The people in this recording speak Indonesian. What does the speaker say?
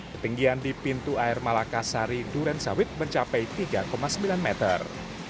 ketinggian di pintu air malakasari duren sawit mencapai tiga sembilan meter